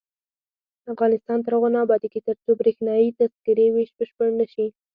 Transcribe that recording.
افغانستان تر هغو نه ابادیږي، ترڅو بریښنايي تذکرې ویش بشپړ نشي.